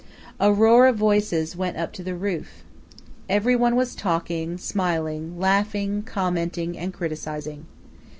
A roar of voices went up to the roof. Every one was talking, smiling, laughing, commenting, and criticizing.